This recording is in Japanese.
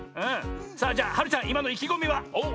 さあじゃあはるちゃんいまのいきごみは？